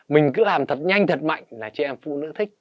mình cứ làm thật nhanh thật mạnh là chị em phụ nữ thích